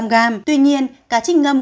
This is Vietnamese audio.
một trăm linh g tuy nhiên cá chích ngâm